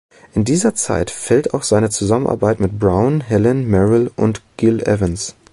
In diese Zeit fällt auch seine Zusammenarbeit mit Brown, Helen Merrill und Gil Evans.